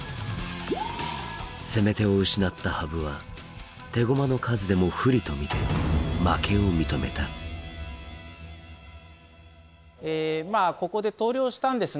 攻め手を失った羽生は手駒の数でも不利と見て負けを認めたここで投了したんですね。